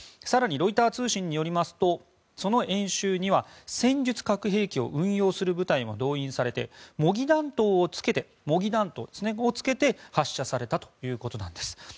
更に、ロイター通信によりますとその演習には戦術核兵器を運用する部隊も動員されていて模擬弾頭をつけて発射されたということです。